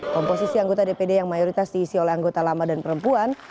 komposisi anggota dpd yang mayoritas diisi oleh anggota lama dan perempuan